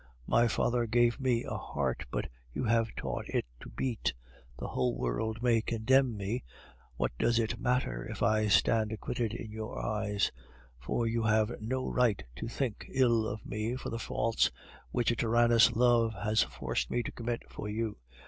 My father gave me a heart, but you have taught it to beat. The whole world may condemn me; what does it matter if I stand acquitted in your eyes, for you have no right to think ill of me for the faults which a tyrannous love has forced me to commit for you!